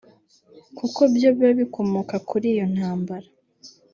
kuko byo biba bikomoka kuri iyo ntambara